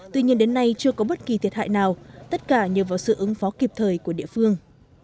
tuy nhiên đến nay chưa có bất kỳ thiệt hại nào tất cả nhờ vào sự ứng phó kịp thời của địa phương